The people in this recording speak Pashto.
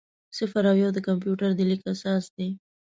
صفر او یو د کمپیوټر د لیک اساس دی.